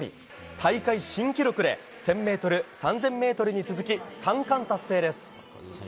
大会新記録で１０００ｍ、３０００ｍに続き３冠達成です。